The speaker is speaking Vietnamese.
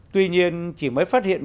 tuy nhiên chỉ mới phát hiện